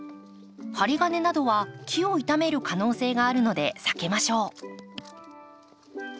針金などは木を傷める可能性があるので避けましょう。